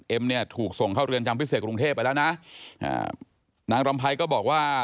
เนี่ยถูกส่งเข้าเรือนจำพิเศษกรุงเทพไปแล้วนะอ่านางรำไพรก็บอกว่า